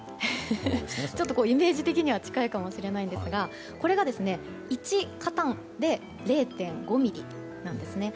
イメージ的には近いかもしれないんですがこれが１カタンで０．５ミリなんです。